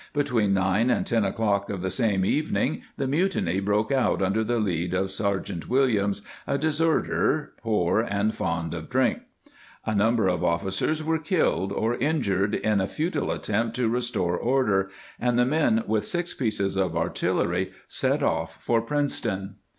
Between nine and ten o'clock, of the same evening the mutiny broke out under the lead of Sergeant Williams, a deserter, poor, and fond of drink. A number of officers were killed or injured in a futile attempt to restore order, and the men with six pieces of artillery set off for Princeton.